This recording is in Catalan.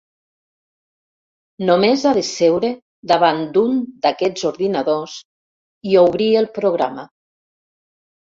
Només ha de seure davant d'un d'aquests ordinadors i obrir el programa.